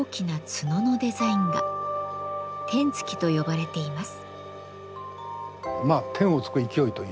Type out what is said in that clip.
天衝と呼ばれています。